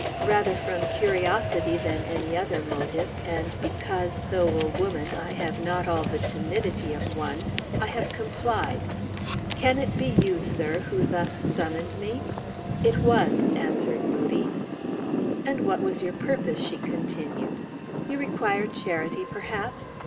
Rather from curiosity than any other motive, and because, though a woman, I have not all the timidity of one, I have complied. Can it be you, sir, who thus summoned me?" "It was," answered Moodie. "And what was your purpose?" she continued. "You require charity, perhaps?